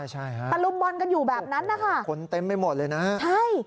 ใช่ฮะตะลุมบอลกันอยู่แบบนั้นนะคะคนเต็มไปหมดเลยนะฮะใช่